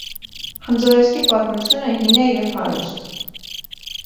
Խնձորեսկի պատմությունը հին է և հարուստ։